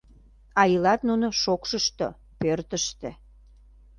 А илат нуно шокшышто, пӧртыштӧ